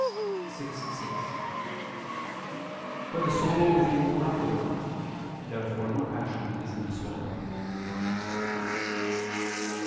_ vi, 6. But the soul is incorruptible. Therefore no passion is in the soul.